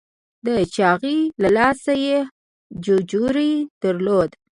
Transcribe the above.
د چاغي له لاسه یې ججوری درلود.